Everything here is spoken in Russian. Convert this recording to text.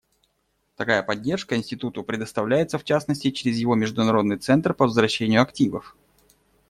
Такая поддержка Институту предоставляется, в частности, через его Международный центр по возвращению активов.